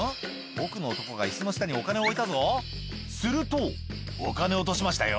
奥の男が椅子の下にお金を置いたぞすると「お金落としましたよ」